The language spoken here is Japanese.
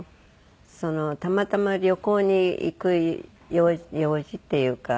たまたま旅行に行く用事っていうか。